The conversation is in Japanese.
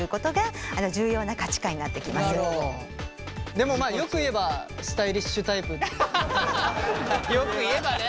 でもまあよく言えばよく言えばね。